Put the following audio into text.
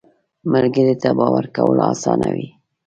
ملګری ته باور کول اسانه وي